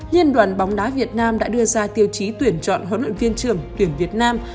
liên đoàn bóng đá việt nam đã đưa ra tiêu chí tuyển chọn huấn luyện viên trưởng tuyển việt nam